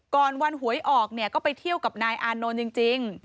ก่อนวันหวยออกก็ไปเที่ยวกับนายอานนท์นอนจริง